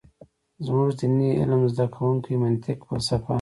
زمونږ ديني علم زده کوونکي منطق ، فلسفه ،